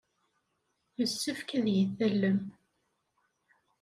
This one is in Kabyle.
Yessefk ad iyi-tallem.